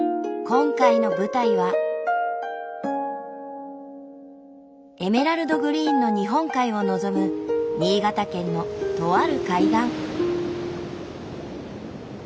今回の舞台はエメラルドグリーンの日本海を望む新潟県のとある海岸。